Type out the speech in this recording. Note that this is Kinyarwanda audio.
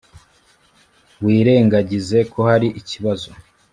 wirengagize ko hari ikibazo